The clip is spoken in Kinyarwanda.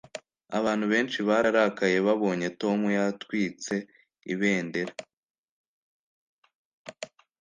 abantu benshi bararakaye babonye tom yatwitse ibendera